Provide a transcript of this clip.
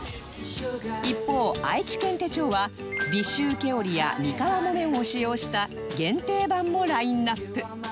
一方愛知県手帳は尾州毛織や三河木綿を使用した限定版もラインアップ